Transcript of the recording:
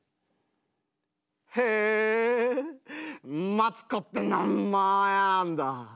「へえマツコって名前なんだ。